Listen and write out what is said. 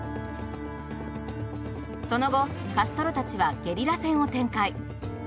その後カストロたちはゲリラ戦を展開。